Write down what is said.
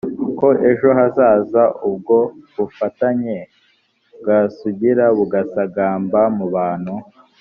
ko ejo hazaza ubwo bufatanye bwasugira bugasagamba mu bantu